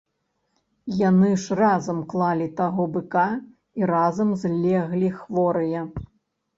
Яны ж разам клалі таго быка і разам злеглі хворыя!